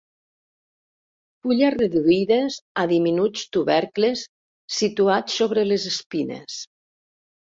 Fulles reduïdes a diminuts tubercles situats sobre les espines.